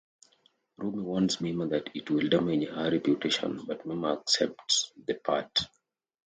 Rumi warns Mima that it will damage her reputation, but Mima accepts the part.